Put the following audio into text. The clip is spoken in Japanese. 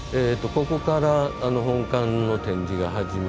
ここから本館の展示が始まります。